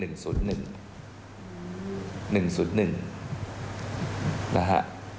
๑๐๑นะฮะ